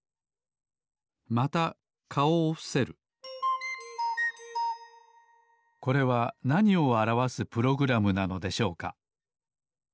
またかおをふせるこれはなにをあらわすプログラムなのでしょうか？